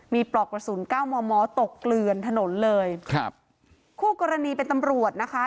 มีปลอกกระสุนเก้ามอม้อตกเกลือนถนนเลยครับคู่กรณีเป็นตำรวจนะคะ